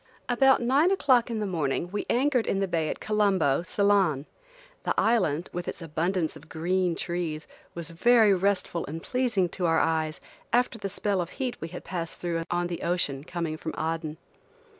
ABOUT nine o'clock in the morning we anchored in the bay at Colombo, Ceylon. The island, with its abundance of green trees, was very restful and pleasing to our eyes after the spell of heat we had passed through on the ocean coming from Aden.